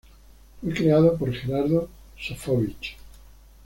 Fue creado por Gerardo Sofovich.